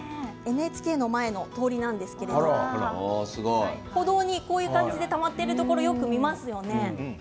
ＮＨＫの前の通りなんですが歩道にこういった感じでたまっているところをよく見ますよね。